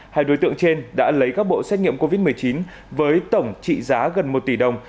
hai đối tượng trên đã lấy các bộ xét nghiệm covid một mươi chín với tổng trị giá gần một tỷ đồng